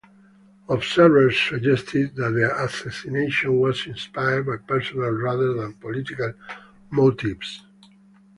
Observers suggested that the assassination was inspired by personal rather than political motives.